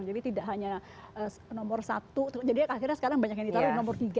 jadi tidak hanya nomor satu jadi akhirnya sekarang banyak yang ditaruh nomor tiga